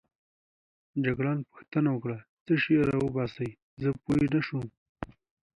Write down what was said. جګړن پوښتنه وکړه: څه شی راوباسې؟ زه پوه نه شوم.